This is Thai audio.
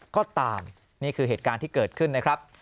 ก็ตามนี่คือเหตุการณ์ที่เกิดขึ้นนะครับ